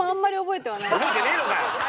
覚えてねえのかよ！